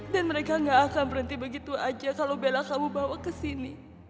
dan mereka gak akan berhenti begitu aja kalo bella kamu bawa kesini